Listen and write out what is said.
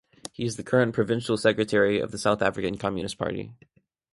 He is the current provincial secretary of the South African Communist Party.